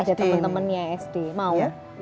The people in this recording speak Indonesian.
ada temen temennya sd mau